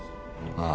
ああ。